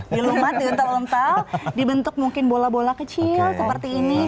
di lumat diuntel untel dibentuk mungkin bola bola kecil seperti ini